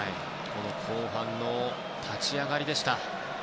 後半の立ち上がりでした。